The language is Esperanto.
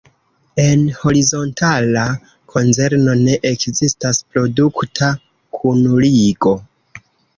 En horizontala konzerno ne ekzistas produkta kunligo.